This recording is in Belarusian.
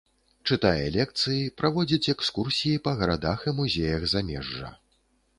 Чытае лекцыі, праводзіць экскурсіі па гарадах і музеях замежжа.